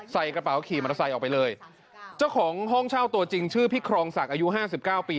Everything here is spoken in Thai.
ใส่กระเป๋าขี่มอเตอร์ไซค์ออกไปเลยเจ้าของห้องเช่าตัวจริงชื่อพี่ครองศักดิ์อายุห้าสิบเก้าปี